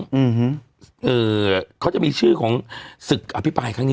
เนี่ยเขาจะมีชื่อของสึกอภิพายข้างนี้